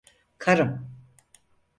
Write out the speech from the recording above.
Karım.